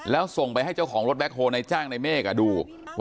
แล้วส่งไปให้เจ้าของรถแบ็คโฮลในจ้างในเมฆดู